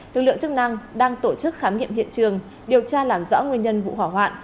lực lượng chức năng đang tổ chức khám nghiệm hiện trường điều tra làm rõ nguyên nhân vụ hỏa hoạn